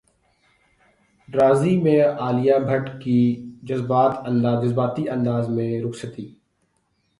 راضی میں عالیہ بھٹ کی جذباتی انداز میں رخصتی